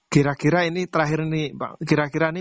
kira kira ini terakhir nih